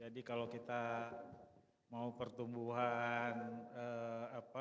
jadi kalau kita mau pertumbuhan kredit kita harus mencari kredit yang lebih besar